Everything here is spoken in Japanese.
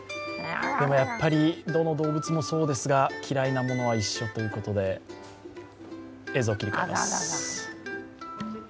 でもやっぱりどの動物もそうですが嫌いなものは一緒ということで、映像を切り替えます。